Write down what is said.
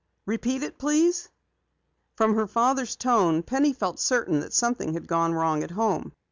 Repeat it, please." From her father's tone, Penny felt certain that something had gone wrong at home.